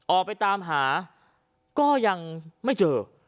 ออกไปตามหาก็ยังไม่เจอ